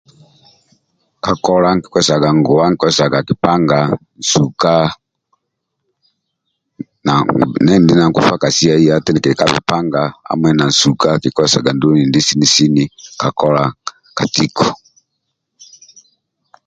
Kakola nki kozesaga nguwa nki kozesaga kipanga nsuka na nkusu endindi nkusu endindi kili ka kipanga hamui na nsuka nkikozesga ndulu endindi sini sini ka kola ka tiko